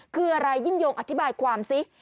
คืออะไรยิ่งยงอธิบายความสิ